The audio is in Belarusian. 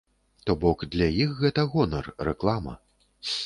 То бок для іх гэта гонар, рэклама.